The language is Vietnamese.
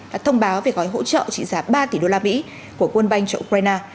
đã thông báo về gói hỗ trợ trị giá ba tỷ đô la mỹ của quân banh cho ukraine